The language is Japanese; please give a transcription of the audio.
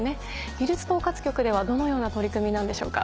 技術統括局ではどのような取り組みなんでしょうか？